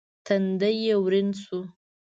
تندی يې ورين شو.